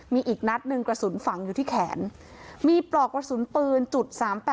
มีอีกนัดหนึ่งกระสุนฝังอยู่ที่แขนมีปลอกกระสุนปืนจุด๓๘